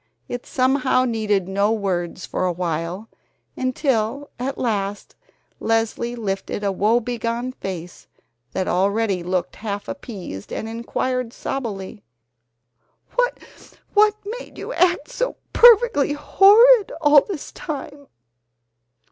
It somehow needed no words for awhile, until at last Leslie lifted a woebegone face that already looked half appeased and inquired sobbily: "What made you act so perfectly horrid all this time?"